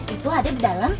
itu ada di dalam